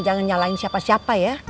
jangan nyalahin siapa siapa ya